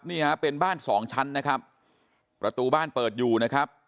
นี่ฮะเป็นบ้านสองชั้นนะครับประตูบ้านเปิดอยู่นะครับ